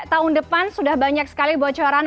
tahun depan sudah banyak sekali bocoran